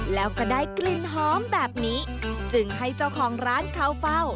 แล้วก็ได้กลิ่นหอมแบบนี้จึงให้เจ้าของร้านเข้าเฝ้า